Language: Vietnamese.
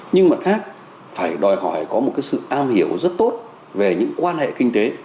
nhưng mặt khác phải đòi hỏi có một sự am hiểu rất tốt về những quan hệ kinh tế